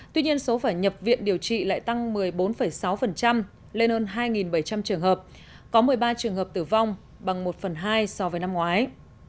tuy nhiên số phải nhập viện điều trị lại tăng một mươi bốn sáu lên hơn hai bảy trăm linh trường hợp có một mươi ba trường hợp tử vong bằng một phần hai so với năm ngoái